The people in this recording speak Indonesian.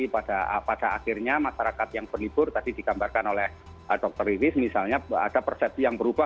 jadi pada akhirnya masyarakat yang berlibur tadi dikambarkan oleh dokter rivis misalnya ada persepsi yang berubah